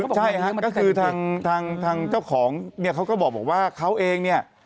ใช่ครับก็คือทางเจ้าของเนี่ยเขาก็บอกว่าเขาเองเนี่ย